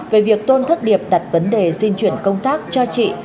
về việc tôn thất điệp đặt vấn đề di chuyển công tác cho chị